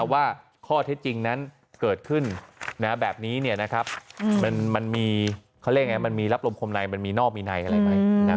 ว่าข้อเท็จจริงนั้นเกิดขึ้นแบบนี้มันมีเขาเรียกไงมันมีรับลมคมในมันมีนอกมีในอะไรไหม